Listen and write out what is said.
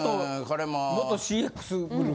元ＣＸグループ。